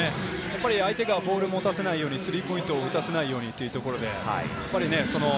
相手がボールを持たせないように、スリーポイントを打たせないようにというところで。